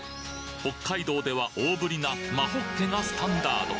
北海道では大ぶりな真ホッケがスタンダード